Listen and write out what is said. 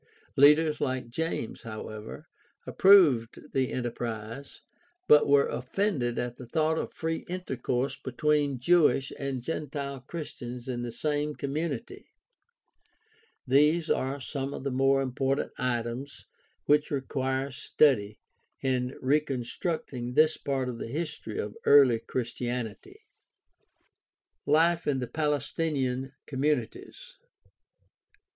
Leaders like James, however, approved the enterprise, but were offended at the thought of free intercourse between Jewish and gentile Christians in the same community. These are some of the more important items which require study in reconstructing this part of the history of early Christianity. Life in the Palestinian communities.